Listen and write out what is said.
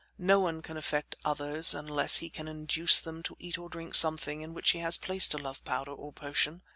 No one can affect others unless he can induce them to eat or drink something in which he has placed a love powder or potion.